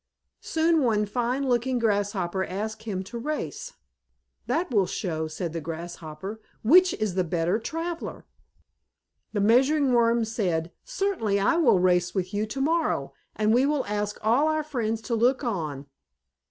Soon one fine looking Grasshopper asked him to race. "That will show," said the Grasshopper, "which is the better traveller." The Measuring Worm said: "Certainly, I will race with you to morrow, and we will ask all our friends to look on."